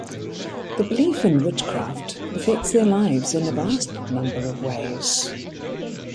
The belief in witchcraft affects their lives in a vast number of ways.